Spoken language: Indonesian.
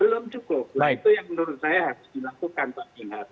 belum cukup nah itu yang menurut saya harus dilakukan pak jinhad